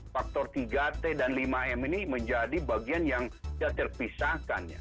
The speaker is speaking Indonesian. faktor tiga t dan lima m ini menjadi bagian yang ya terpisahkannya